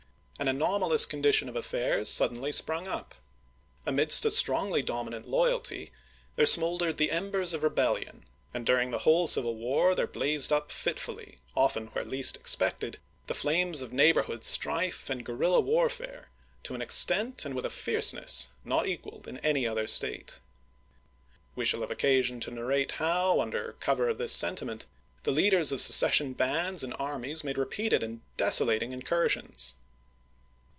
An anomalous condition of affairs suddenly sprung up. Amidst a strongly dominant loyalty there smoldered the embers of rebellion, and dur ing the whole civil war there blazed up fitfully, often where least expected, the flames of neighbor hood strife and guerrilla warfare to an extent and with a fierceness not equaled in any other State. Vol. IV.— 15 226 ABRAHAM LINCOLN CHAP. XI. We shall have occasion to narrate how, under cover of this sentiment, the leaders of secession bands and armies made repeated and desolating incui sions.